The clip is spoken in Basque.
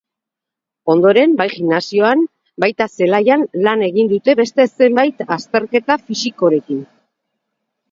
Ondoren, bai gimnasioan, baita zelaian lan egin dute beste zenbait azterketa-fisikorekin.